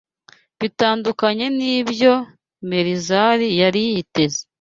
bitandukanye n’ibyo Melizari yari yiteze